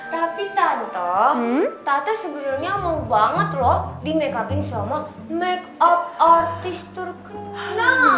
tapi tante tante sebenarnya mau banget loh di make up in sama make up artis terkenal